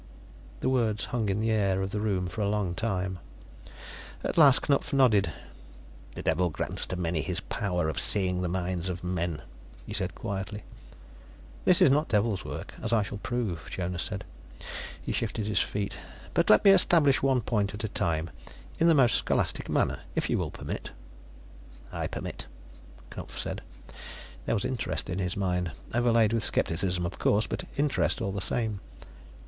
The words hung in the air of the room for a long time. At last Knupf nodded. "The Devil grants to many his power of seeing the minds of men," he said quietly. "This is not Devil's work as I shall prove," Jonas said. He shifted his feet. "But let me establish one point at a time, in the most scholastic manner; if you will permit." "I permit," Knupf said. There was interest in his mind, overlaid with skepticism, of course, but interest all the same.